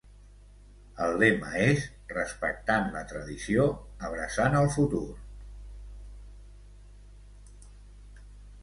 El lema és "Respectant la tradició, abraçant el futur".